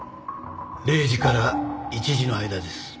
０時から１時の間です。